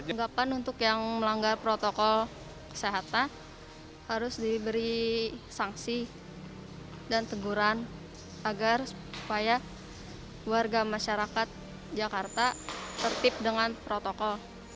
anggapan untuk yang melanggar protokol kesehatan harus diberi sanksi dan teguran agar supaya warga masyarakat jakarta tertib dengan protokol